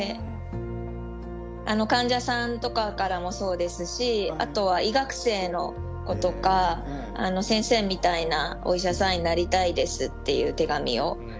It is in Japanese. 患者さんとかからもそうですしあとは医学生の子とか「先生みたいなお医者さんになりたいです」っていう手紙をたくさん頂いて。